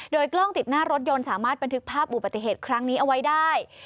โดยกล้องติดหน้ารถยนต์สามารถบันทึกภาพอุบัติเหตุครั้งนี้เอาไว้ได้